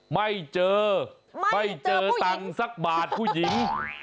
ไม่เจอไม่เจอตังค์สักบาทผู้หญิง